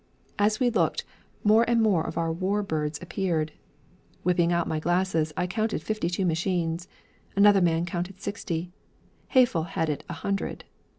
As we looked, more and more of our war birds appeared. Whipping out my glasses, I counted fifty two machines. Another man counted sixty. Haeffle had it a hundred.